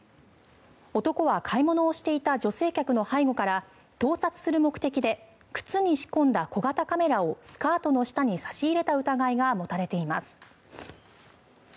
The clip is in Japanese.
男は買い物をしていた女性客の背後から盗撮する目的で靴に仕込んだ小型カメラをスカートの下に差し入れた疑いが持たれています。